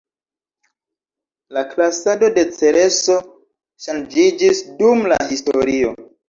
La klasado de Cereso ŝanĝiĝis dum la historio.